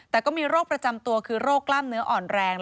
แต่ก็มีโรคประจำตัวคือโรคกล้ามเนื้ออ่อนแรง